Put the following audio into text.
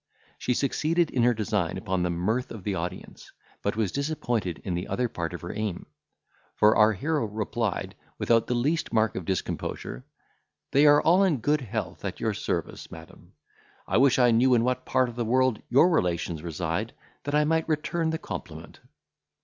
She succeeded in her design upon the mirth of the audience, but was disappointed in the other part of her aim; for our hero replied, without the least mark of discomposure, "They are all in good health at your service, madam; I wish I knew in what part of the world your relations reside, that I might return the compliment."